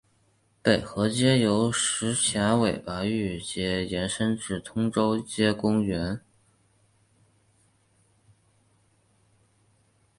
北河街由石硖尾巴域街伸延至通州街公园。